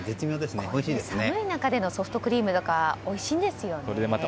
寒い中でのソフトクリームとかおいしいですよね。